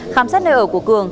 khám xét nơi ở của cường